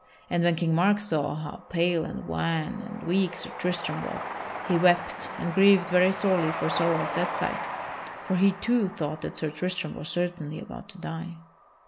And when King Mark saw how pale and wan and weak Sir Tristram was, he wept and grieved very sorely for sorrow of that sight, for he too thought that Sir Tristram was certainly about to die.